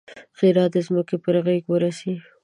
ښېرا: د ځمکې پر غېږ ورسئ!